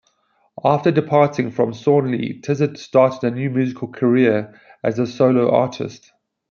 After departing from Thornley, Tizzard started a new musical career as a solo artist.